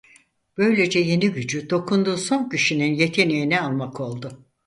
Böylece yeni gücü dokunduğu son kişinin yeteneğini almak oldu.